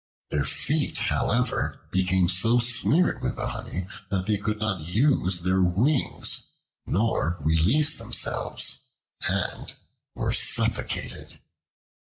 Their feet, however, became so smeared with the honey that they could not use their wings, nor release themselves, and were suffocated.